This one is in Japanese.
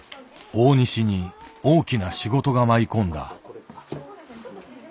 大西に大きな仕事が舞い込んだ。